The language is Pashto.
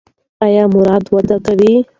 ایا مراد واده کوي؟